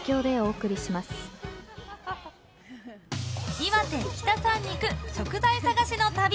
岩手・北三陸食材探しの旅。